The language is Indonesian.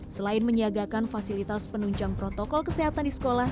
selain menyiagakan fasilitas penunjang protokol kesehatan di sekolah